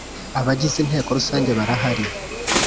abagize Inteko Rusange barahari.